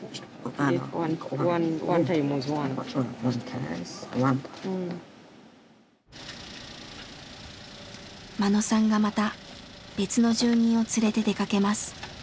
眞野さんがまた別の住人を連れて出かけます。